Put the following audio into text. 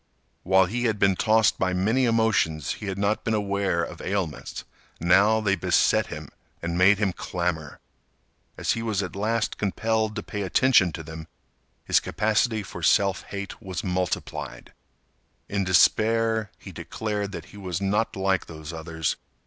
While he had been tossed by many emotions, he had not been aware of ailments. Now they beset him and made clamor. As he was at last compelled to pay attention to them, his capacity for self hate was multiplied. In despair, he declared that he was not like those others.